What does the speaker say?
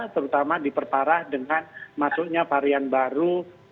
terutama diperparah dengan masuknya varian baru